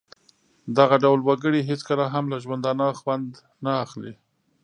دغه ډول وګړي هېڅکله هم له ژوندانه خوند نه اخلي.